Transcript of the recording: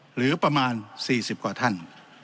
หรือประมาณ๔๐กว่าท่าน